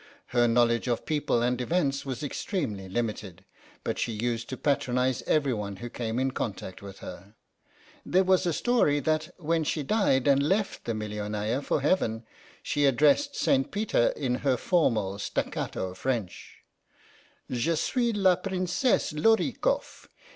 Her knowledge of people and events was extremely limited ; but she used to patronise every one who came in contact with her. There was a story that when she died and left the Millionaya for Heaven she addressed I REGINALD IN RUSSIA 3 St. Peter in her formal staccato French :* Je suis la Princesse Lor i kofF.